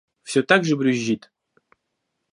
Все так же брюзжит.